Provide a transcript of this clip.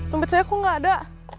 dombet saya kok gak ada